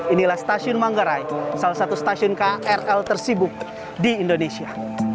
inilah stasiun manggarai salah satu stasiun krl tersibuk di indonesia